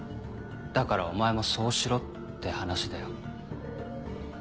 だからお前もそうしろって話だよ。